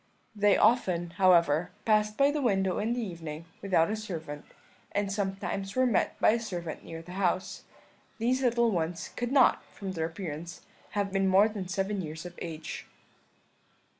They often, however, passed by the window in the evening without a servant, and sometimes were met by a servant near the house. These little ones could not, from their appearance, have been more than seven years of age.